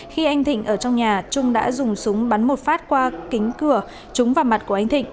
khi anh thịnh ở trong nhà trung đã dùng súng bắn một phát qua kính cửa chúng vào mặt của anh thịnh